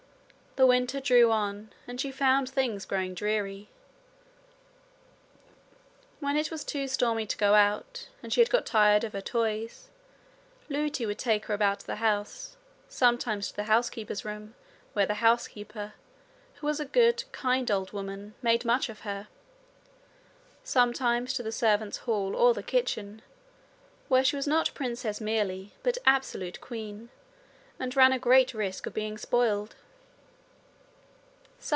The winter drew on, and she found things growing dreary. When it was too stormy to go out, and she had got tired of her toys, Lootie would take her about the house, sometimes to the housekeeper's room, where the housekeeper, who was a good, kind old woman, made much of her sometimes to the servants' hall or the kitchen, where she was not princess merely, but absolute queen, and ran a great risk of being spoiled.